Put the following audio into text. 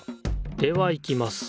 ではいきます。